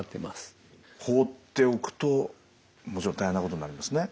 放っておくともちろん大変なことになりますね。